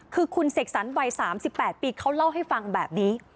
คือคุณเสกสรรวัย๓๘ปีเขาเล่าให้ฟังแบบนี้